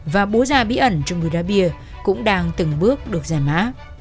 và bố già bí ẩn trong núi đá bìa cũng đang từng bước được giải mã